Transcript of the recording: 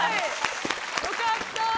よかった。